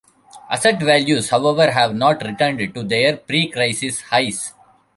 Asset values however, have not returned to their pre-crisis highs.